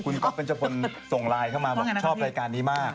คุณก๊อฟเบญจพลส่งไลน์เข้ามาบอกชอบรายการนี้มาก